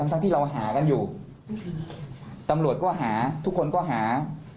ทั้งที่เราหากันอยู่ตำรวจก็หาทุกคนก็หา